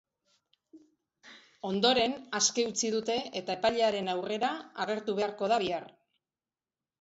Ondoren, aske utzi dute eta epailearen aurrera agertu beharko da bihar.